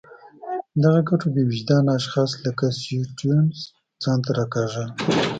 دغو ګټو بې وجدان اشخاص لکه سټیونز ځان ته راکاږل.